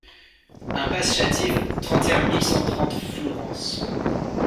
IMPASSE CHATIVE, trente et un mille cent trente Flourens